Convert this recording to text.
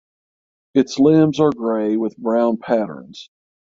Its limbs are gray with brown patterns.